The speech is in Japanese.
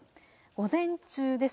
午前中です。